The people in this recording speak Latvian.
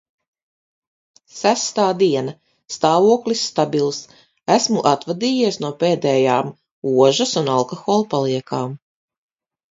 Sestā diena. stāvoklis stabils. esmu atvadījies no pēdējām ožas un alkohola paliekām.